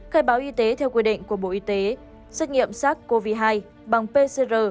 khai báo y tế theo quy định của bộ y tế xét nghiệm sars cov hai bằng pcr